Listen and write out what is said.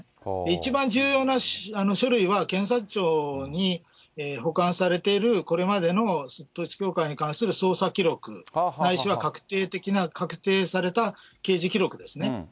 一番重要な書類は、検察庁に保管されている、これまでの統一教会に関する捜査記録、ないしは確定的な、確定された刑事記録ですね。